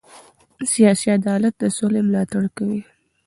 سیاسي عدالت د سولې ملاتړ کوي